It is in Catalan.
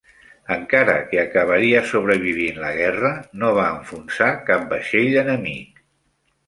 Encara que acabaria sobrevivint la guerra, no va enfonsar cap vaixell enemic.